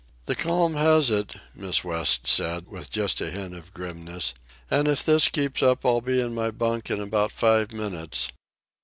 "The calm has it," Miss West said, with just a hint of grimness. "And if this keeps up I'll be in my bunk in about five minutes."